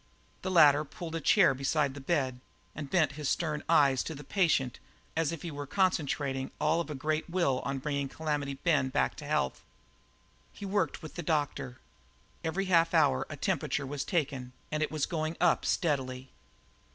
The latter pulled up a chair beside the bed and bent his stern eyes on the patient as if he were concentrating all of a great will on bringing Calamity Ben back to health. He worked with the doctor. Every half hour a temperature was taken, and it was going up steadily.